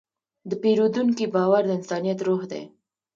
د پیرودونکي باور د انسانیت روح دی.